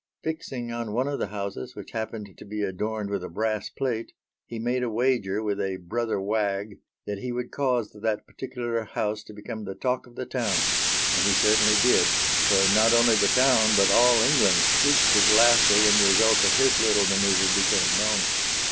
Fixing on one of the houses, which happened to be adorned with a brass plate, he made a wager with a brother wag that he would cause that particular house to become the talk of the town: and he certainly did for not only the town, but all England shrieked with laughter when the result of his little manœuvre became known.